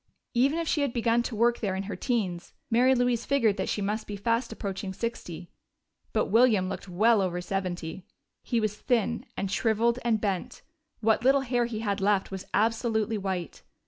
Even if she had begun to work there in her teens, Mary Louise figured that she must be fast approaching sixty. But William looked well over seventy. He was thin and shriveled and bent; what little hair he had left was absolutely white.